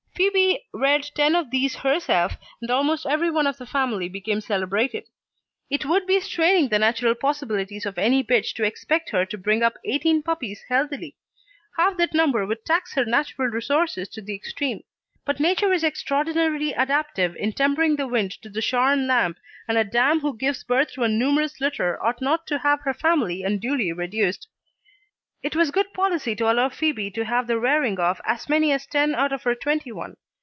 Phoebe reared ten of these herself, and almost every one of the family became celebrated. It would be straining the natural possibilities of any bitch to expect her to bring up eighteen puppies healthily. Half that number would tax her natural resources to the extreme. But Nature is extraordinarily adaptive in tempering the wind to the shorn lamb, and a dam who gives birth to a numerous litter ought not to have her family unduly reduced. It was good policy to allow Phoebe to have the rearing of as many as ten out of her twenty one.